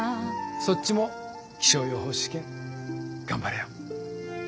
そっちも気象予報士試験頑張れよ。